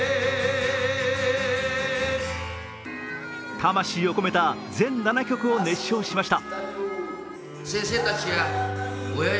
魂を込めた全７曲を熱唱しました。